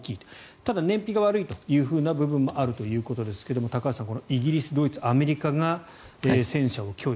ただ、燃費が悪い部分もあるということですが高橋さん、このイギリスドイツ、アメリカが戦車を供与。